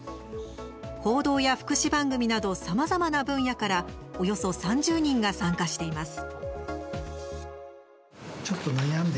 報道や福祉番組などさまざまな分野からおよそ３０人が参加しています。